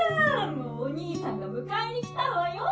もうお兄さんが迎えにきたわよ！